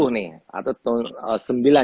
nih atau tahun sembilan